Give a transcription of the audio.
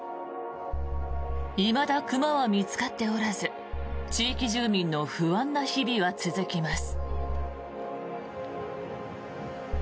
いまだ熊は見つかっておらず地域住民の不安な日々は続きます。